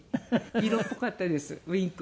色っぽかったですウィンク。